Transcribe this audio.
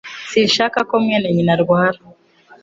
Sinshaka ko mwene nyina arwara